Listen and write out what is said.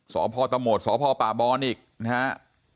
สอพพ่อตะโมดสอพพ่อป่าบรอนอีกนะฮะ